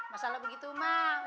masalah begitu mak